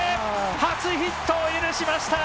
初ヒットを許しました